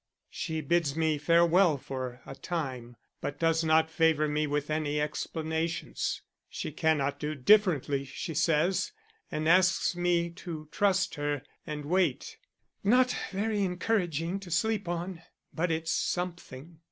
She bids me farewell for a time, but does not favor me with any explanations. She cannot do differently, she says, and asks me to trust her and wait. Not very encouraging to sleep on; but it's something.